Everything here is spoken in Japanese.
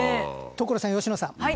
所さん佳乃さん。